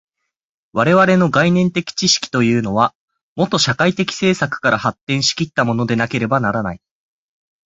我々の概念的知識というのは、もと社会的制作から発展し来ったものでなければならない。